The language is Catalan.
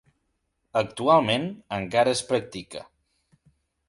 Actualment, encara es practica.